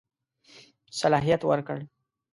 صلاحیت ورکړ.